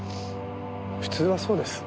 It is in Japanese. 普通はそうです。